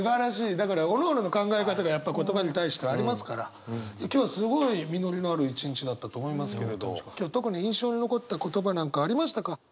だからおのおのの考え方がやっぱり言葉に対してはありますから今日すごい実りのある一日だったと思いますけれど今日特に印象に残った言葉なんかありましたか？